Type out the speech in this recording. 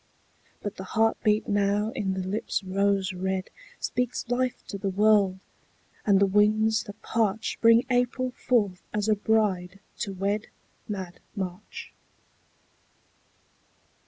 But the heartbeat now in the lips rose red Speaks life to the world, and the winds that parch Bring April forth as a bride to wed Mad March.